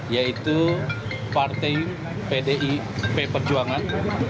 yaitu partai pdip perjuangan